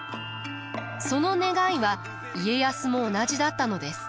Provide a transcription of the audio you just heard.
その願いは家康も同じだったのです。